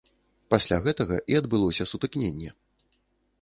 Пасля гэтага і адбылося сутыкненне.